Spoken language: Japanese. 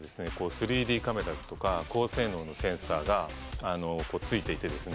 ３Ｄカメラとか高性能のセンサーがついていてですね